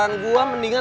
mereka pasti udah ngiler